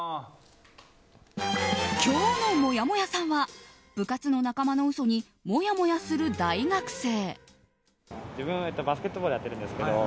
今日のもやもやさんは部活の仲間の嘘にもやもやする大学生。